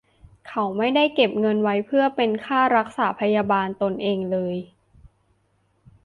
เขาไม่ได้เก็บเงินไว้เพื่อเป็นค่ารักษาพยาบาลตนเองเลย